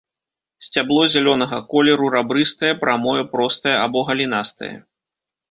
Сцябло зялёнага колеру рабрыстае, прамое, простае або галінастае.